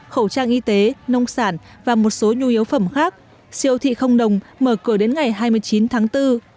khẩu trang y tế nông sản và một số nhu yếu phẩm khác siêu thị không đồng mở cửa đến ngày hai mươi chín tháng bốn